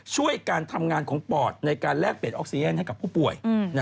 ช่วยการทำงานของปอดในการแลกเปลี่ยนออกซีเย็นให้กับผู้ป่วย